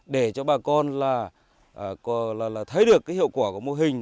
để cho bà con là thấy được cái hiệu quả của mô hình